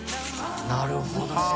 なるほど！